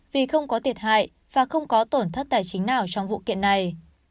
vì không có thiệt hại và không có tổn thất tài chính nào trong vụ kiện này